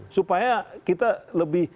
supaya kita lebih